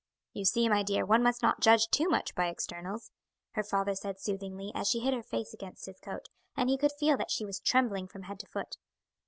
"You see, my dear, one must not judge too much by externals," her father said soothingly as she hid her face against his coat, and he could feel that she was trembling from head to foot.